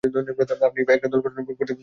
আপনি একটা দল গঠন করতে বলেছিলেন, স্যার।